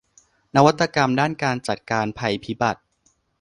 นวัตกรรมด้านการจัดการภัยพิบัติ